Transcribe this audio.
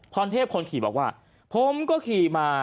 พรเทพคนขี่บอกว่าผมก็ขี่มา